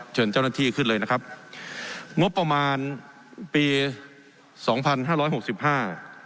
เชิญเจ้าหน้าที่ขึ้นเลยนะครับงบประมาณปีสองพันห้าร้อยหกสิบห้า